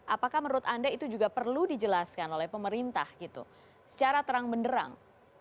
apakah menurut anda itu juga perlu dijelaskan oleh pemerintah gitu secara terang benderang